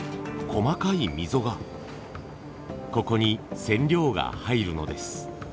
ここに染料が入るのです。